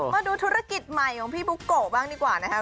มาดูธุรกิจใหม่ของพี่บุ๊กโกะบ้างดีกว่านะครับ